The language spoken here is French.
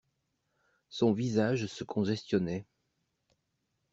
Son visage se congestionnait.